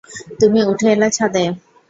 –তুমি উঠে এলে ছাদে।